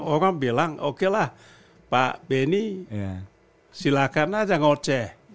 orang bilang okelah pak beni silakan aja ngurceh